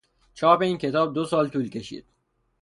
چاپ این کتاب دو سال طول کشید.